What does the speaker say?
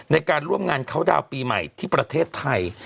ในการร่วมงานเขาดาวน์ปีใหม่ที่ประเทศไทย